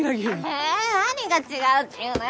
え何が違うっていうのよ。